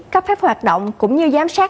các phép hoạt động cũng như giám sát